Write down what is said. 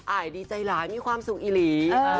อายดีใจหลายมีความสุขอีหลี